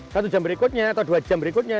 satu jam berikutnya atau dua jam berikutnya